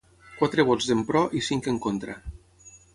Quatre vots en pro i cinc en contra.